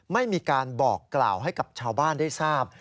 ไม่มีการบอกกล่าวให้กับชาวบ้านได้ทราบ